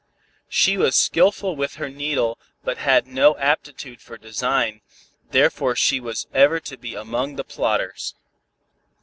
She was skillful with her needle but had no aptitude for design, therefore she was ever to be among the plodders.